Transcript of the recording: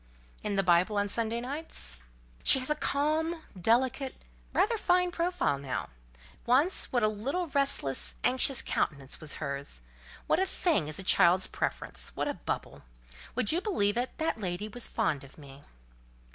"In the Bible on Sunday nights?" "She has a calm, delicate, rather fine profile now: once what a little restless, anxious countenance was hers! What a thing is a child's preference—what a bubble! Would you believe it? that lady was fond of me!"